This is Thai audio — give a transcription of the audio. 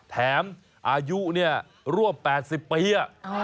แถมอายุร่วม๘๐ปี